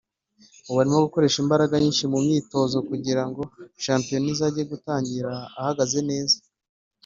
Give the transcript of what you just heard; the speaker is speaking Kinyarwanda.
ubu arimo gukoresha imbaraga nyinshi mu myitozo kugira ngo shampiyona izajye gutangira ahagaze neza